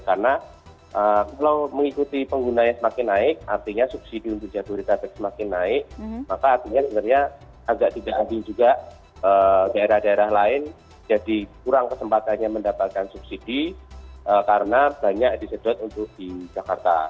karena kalau mengikuti pengguna yang semakin naik artinya subsidi untuk jabodetabek semakin naik maka artinya sebenarnya agak tidak adil juga daerah daerah lain jadi kurang kesempatannya mendapatkan subsidi karena banyak disedot untuk di jakarta